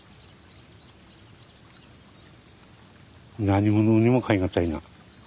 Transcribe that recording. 何物にも代え難いな。